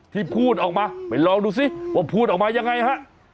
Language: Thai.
ที่พูดออกมาไปลองดูซิว่าพูดออกมายังไงฮะ